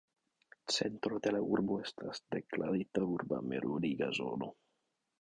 Centro de la urbo estas deklarita urba memoriga zono.